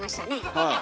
はい。